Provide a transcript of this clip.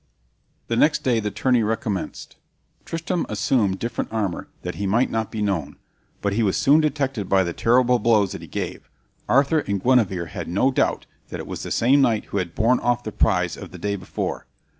The next day the tourney recommenced. Tristram assumed different armor, that he might not be known; but he was soon detected by the terrible blows that he gave, Arthur and Guenever had no doubt that it was the same knight who had borne off the prize of the day before.